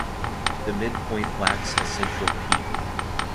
The midpoint lacks a central peak.